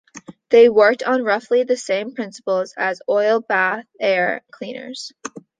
They worked on roughly the same principles as oil bath air cleaners.